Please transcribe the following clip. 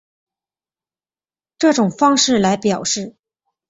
这种的方式来表示。